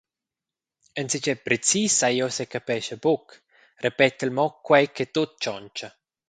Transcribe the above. Enzatgei precis sai jeu secapescha buc, repetel mo quei che tut tschontscha.